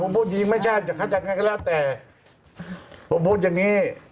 ผมพูดจริงไม่ใช่จะเข้าใจอย่างนั้นแล้วแต่ผมพูดอย่างนี้